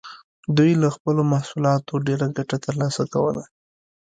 دوی له خپلو محصولاتو ډېره ګټه ترلاسه کوله.